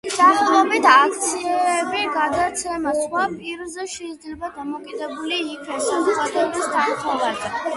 სახელობით აქციების გადაცემა სხვა პირებზე შეიძლება დამოკიდებული იქნეს საზოგადოების თანხმობაზე.